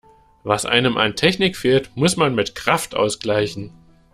Was einem an Technik fehlt, muss man mit Kraft ausgleichen.